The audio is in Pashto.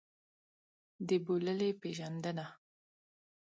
د بوللې پېژندنه.